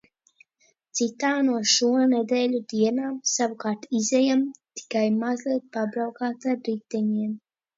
Citā no šo nedēļu dienām, savukārt, izejam tikai mazliet pabraukāt ar riteņiem.